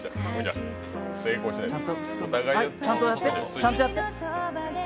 ちゃんとやって。